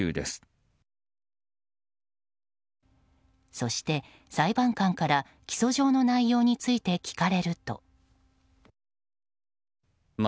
そして、裁判官から起訴状の内容について聞かれると。